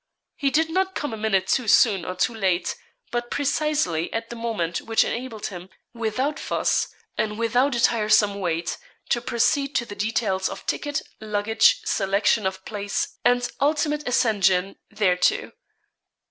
He did not come a minute too soon or too late, but precisely at the moment which enabled him, without fuss, and without a tiresome wait, to proceed to the details of ticket, luggage, selection of place, and ultimate ascension thereto.